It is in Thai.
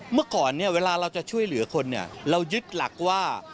เมื่อก่อนเนี่ยเวลาเราจะช่วยเหลือคนเนี่ยเรายึดหลักว่า